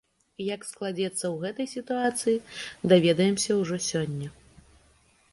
Як складзецца ў гэтай сітуацыі, даведаемся ўжо сёння.